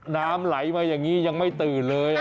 น้ำไหลมาอย่างนี้ยังไม่ตื่นเลย